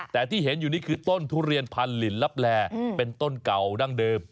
แต่ที่เห็นอยู่นี่คือต้นทุเรียนพันลินลับแลเป็นต้นเก่าดั้งเดิม